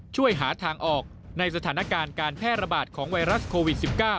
ช่วยหาทางออกในสถานการณ์การแพร่ระบาดของไวรัสโควิด๑๙